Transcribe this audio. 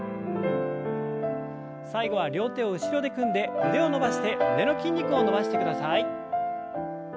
最後は両手を後ろで組んで腕を伸ばして胸の筋肉を伸ばしてください。